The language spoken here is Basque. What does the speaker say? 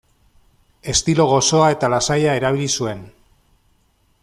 Estilo gozoa eta lasaia erabili zuen.